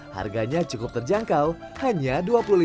harganya cukup terjangkau hanya dua puluh lima ribu rupiah seporsinya